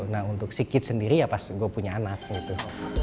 nah untuk si kit sendiri ya pas gue punya anak gitu